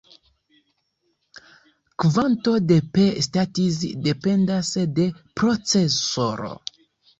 Kvanto de "P-States" dependas de procesoro.